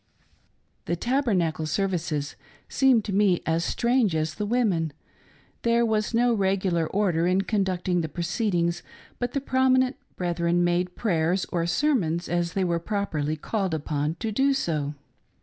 The Tabernacle services seemed to me as strange as the women. There was no regular order in conducting the pro ceedings, but the prominent brethren made prayers, or " ser mons " as they were called upon to do so.